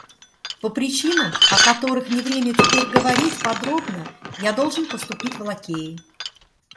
По причинам, о которых не время теперь говорить подробно, я должен поступить в лакеи.